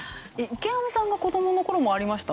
池上さんが子供の頃もありました？